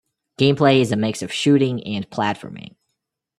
Gameplay is a mix of shooting and platforming.